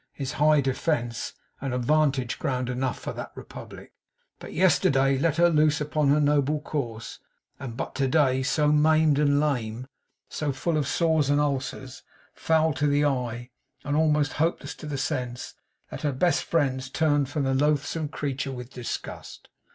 is high defence and 'vantage ground enough for that Republic, but yesterday let loose upon her noble course, and but to day so maimed and lame, so full of sores and ulcers, foul to the eye and almost hopeless to the sense, that her best friends turn from the loathsome creature with disgust.